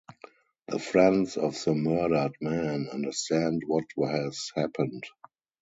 The friends of the murdered man understand what has happened.